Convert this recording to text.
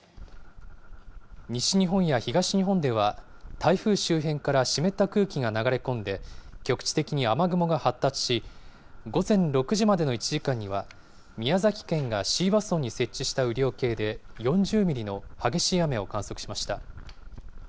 西日本や東日本では、台風周辺から湿った空気が流れ込んで、局地的に雨雲が発達し、午前６時までの１時間には、宮崎県が椎葉村に設置した雨量計で、４０ミリの激しい雨を観測しました。